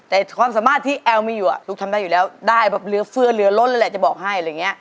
แต่ความสามารถที่แอลมีอยู่ลูกทำได้อยู่แล้วได้แบบเหลือฟื้อเหลือล้นแหละจะบอกให้